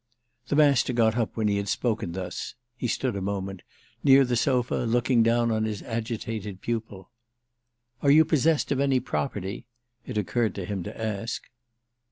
The Master got up when he had spoken thus—he stood a moment—near the sofa looking down on his agitated pupil. "Are you possessed of any property?" it occurred to him to ask.